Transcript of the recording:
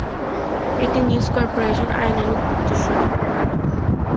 এটি নিউজ কর্পোরেশনের আইনানুগ উত্তরসূরি।